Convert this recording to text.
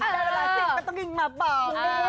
ใดซิกก็ต้องกินมาก่อน